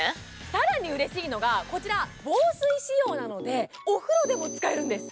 更にうれしいのが、こちらは防水仕様なので、お風呂でも使えるんです。